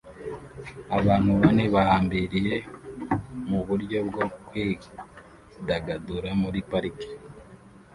Abantu bane bahambiriye muburyo bwo kwidagadura muri parike